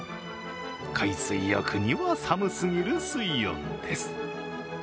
海水浴には寒すぎる水温です。